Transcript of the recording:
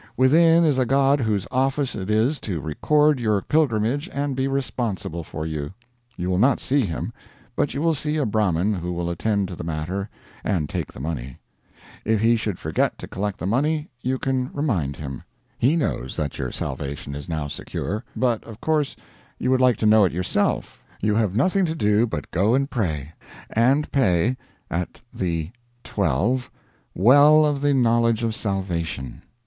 Within is a god whose office it is to record your pilgrimage and be responsible for you. You will not see him, but you will see a Brahmin who will attend to the matter and take the money. If he should forget to collect the money, you can remind him. HE knows that your salvation is now secure, but of course you would like to know it yourself. You have nothing to do but go and pray, and pay at the 12. Well of the Knowledge of Salvation.